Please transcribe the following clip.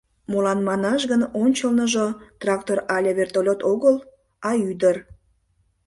Молан манаш гын ончылныжо трактор але вертолёт огыл, а — ӱдыр.